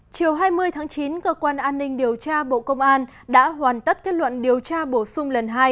chiều hai mươi tháng chín cơ quan an ninh điều tra bộ công an đã hoàn tất kết luận điều tra bổ sung lần hai